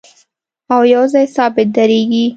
او یو ځای ثابت درېږي